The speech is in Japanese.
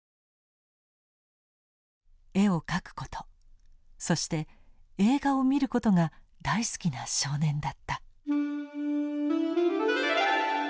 絵を描くことそして映画を見ることが大好きな少年だった。